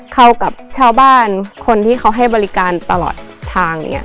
เข้ากับชาวบ้านคนที่เขาให้บริการตลอดทางอย่างนี้